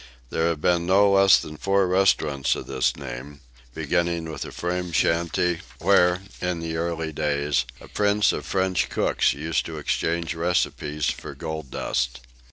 There have been no less than four restaurants of this name, beginning with a frame shanty where, in the early days, a prince of French cooks used to exchange recipes for gold dust.